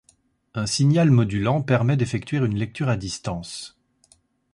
Un signal modulant permet d'effectuer une lecture à distance.